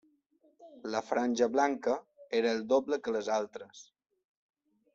La franja blanca era el doble que les altres.